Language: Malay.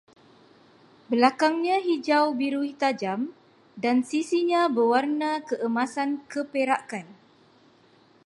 Belakangnya hijau-biru tajam, dan sisinya berwarna keemasan-keperakan